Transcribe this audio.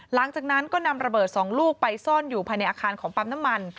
หลังจากนั้นก็นำระเบิด๒ลูกไปซ่อนอยู่ภายในอาคารของปั๊มน้ำมัน